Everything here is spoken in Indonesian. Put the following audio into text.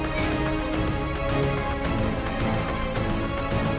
sedikit tanpa senjata